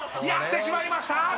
［やってしまいました！］